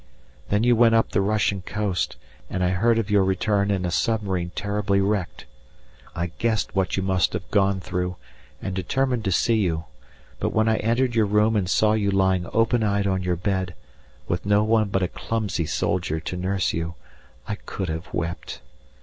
Then you went up the Russian coast, and I heard of your return in a submarine terribly wrecked. I guessed what you must have gone through, and determined to see you, but when I entered your room and saw you lying open eyed on your bed, with no one but a clumsy soldier to nurse you, I could have wept.